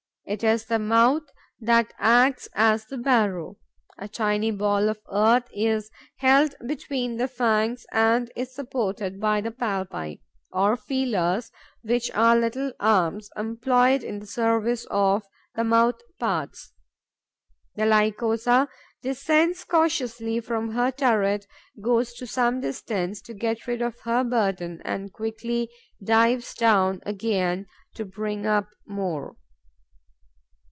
It is the mouth that acts as the barrow. A tiny ball of earth is held between the fangs and is supported by the palpi, or feelers, which are little arms employed in the service of the mouth parts. The Lycosa descends cautiously from her turret, goes to some distance to get rid of her burden and quickly dives down again to bring up more.